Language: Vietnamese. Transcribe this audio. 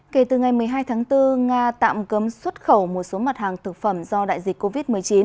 kể từ ngày một mươi hai tháng bốn nga tạm cấm xuất khẩu một số mặt hàng thực phẩm do đại dịch covid một mươi chín